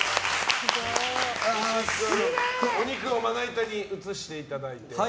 お肉をまな板に移していただいて。